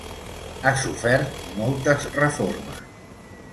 Ha sofert moltes reformes.